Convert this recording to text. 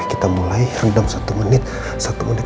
kita mulai rendam satu menit